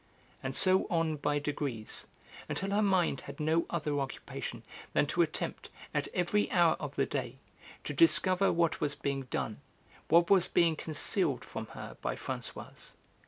And so on by degrees, until her mind had no other occupation than to attempt, at every hour of the day, to discover what was being done, what was being concealed from her by Françoise.